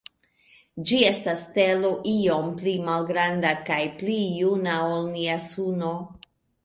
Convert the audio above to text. Ĝi estas stelo iom pli malgranda kaj pli juna ol nia Suno.